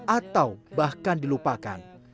atau bahkan dilupakan